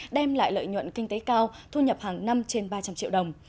đem lại lợi nhuận kinh tế cao thu nhập hàng năm trên ba trăm linh triệu đồng